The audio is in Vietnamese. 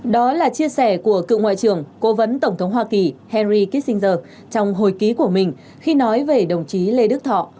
đó là chia sẻ của cựu ngoại trưởng cố vấn tổng thống hoa kỳ henry kishingter trong hồi ký của mình khi nói về đồng chí lê đức thọ